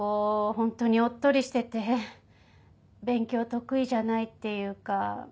ホントにおっとりしてて勉強得意じゃないっていうか。